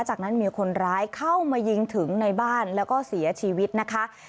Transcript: จากนั้นมีคนร้ายเข้ามายิงถึงในบ้านแล้วก็เสียชีวิตนะคะ